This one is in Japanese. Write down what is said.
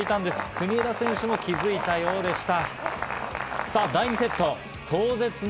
国枝選手も気づいたようでした。